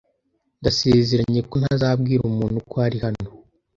Ndasezeranye ko ntazabwira umuntu ko ari hano.